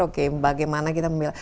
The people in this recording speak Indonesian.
oke bagaimana kita memilih